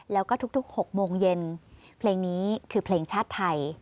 แล้วก็ทุก๖โมงเย็นเพลงนี้คือเพลงชาติไทย